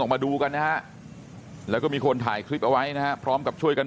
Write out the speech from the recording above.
มาดูกันนะฮะแล้วก็มีคนถ่ายคลิปเอาไว้นะฮะพร้อมกับช่วยกัน